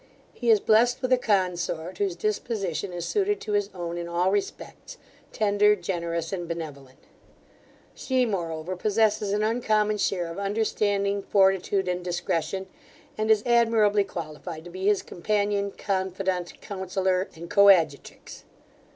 He is blessed with a consort, whose disposition is suited to his own in all respects; tender, generous, and benevolent She, moreover, possesses an uncommon share of understanding, fortitude, and discretion, and is admirably qualified to be his companion, confidant, counsellor, and coadjutrix.